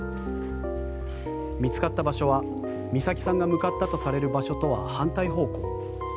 見つかった場所は美咲さんが向かったとされる場所とは反対方向。